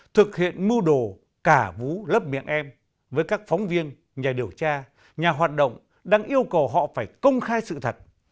thực hiện mưu đồ cả vú lấp miệng em với các phóng viên nhà điều tra nhà hoạt động đang yêu cầu họ phải công khai sự thật